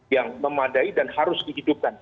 yang memadai dan harus dihidupkan